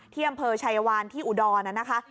ที่อำเภอชายวานที่อุดรนะคะ